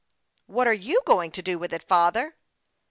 " What are you going to do with it, father